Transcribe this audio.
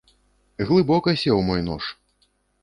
Глыбока сеў мой нож.